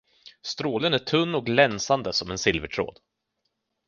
Strålen är tunn och glänsande som en silvertråd.